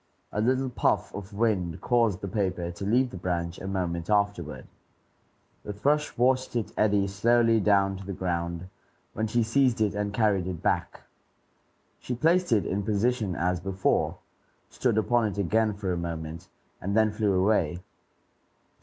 A little puff of wind caused the paper to leave the branch a moment afterward. The thrush watched it eddy slowly down to the ground, when she seized it and carried it back. She placed it in position as before, stood upon it again for a moment, and then flew away.